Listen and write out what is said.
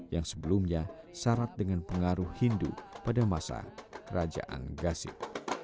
yang sebelumnya syarat dengan pengaruh hindu pada masa kerajaan gasif